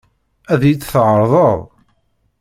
Ad iyi-tt-tɛeṛḍeḍ?